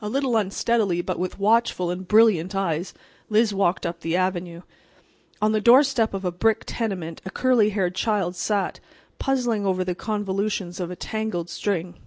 A little unsteadily, but with watchful and brilliant eyes, Liz walked up the avenue. On the doorstep of a brick tenement a curly haired child sat, puzzling over the convolutions of a tangled string.